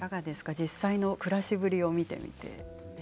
実際の暮らしぶりを見てみて。